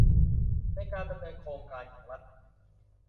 ในการดำเนินโครงการของรัฐ